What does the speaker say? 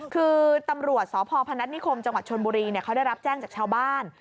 คือตำรวจสพพนัฐนิคมจังหวัดชนบุรีเขาได้รับแจ้งจากชาวบ้าน